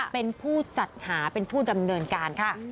เป็นผู้จัดหาเป็นผู้ดำเนินการค่ะ